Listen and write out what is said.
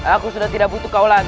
aku sudah tidak butuh kau lagi